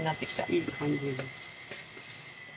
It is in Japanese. いい感じで。